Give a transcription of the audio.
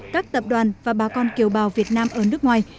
các tập đoàn và bà con kiều bào việt nam ở nước ngoài